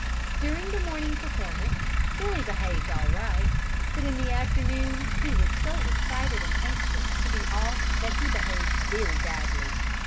During the morning performance Billy behaved all right, but in the afternoon he was so excited and anxious to be off that he behaved very badly.